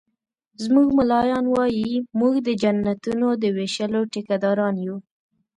زموږ ملایان وایي مونږ د جنتونو د ویشلو ټيکه داران یو